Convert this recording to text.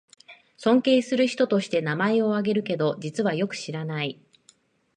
尊敬する人として名前をあげるけど、実はよく知らない